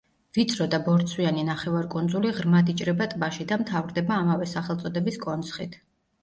ვიწრო და ბორცვიანი ნახევარკუნძული ღრმად იჭრება ტბაში და მთავრდება ამავე სახელწოდების კონცხით.